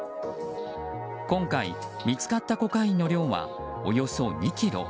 今回、見つかったコカインの量はおよそ２ｋｇ。